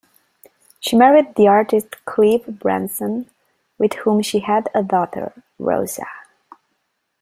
She married the artist Clive Branson, with whom she had a daughter, Rosa.